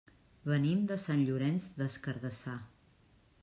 Venim de Sant Llorenç des Cardassar.